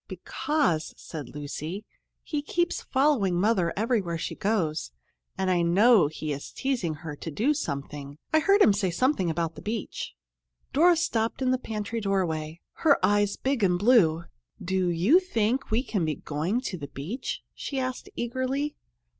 "Because," said Lucy, "he keeps following Mother everywhere she goes, and I know he is teasing her to do something. I heard him say something about the beach." Dora stopped in the pantry doorway, her eyes big and blue. "Do you think we can be going to the beach?" she asked eagerly.